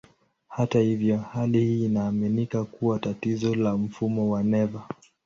Hata hivyo, hali hii inaaminika kuwa tatizo la mfumo wa neva.